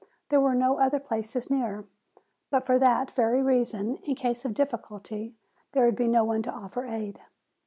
There were no other places near. But for that very reason in case of difficulty there would be no one to offer aid.